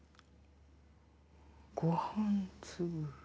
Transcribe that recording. ごはんつぶ。